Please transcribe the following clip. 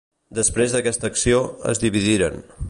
Després d'aquesta acció, es dividiren.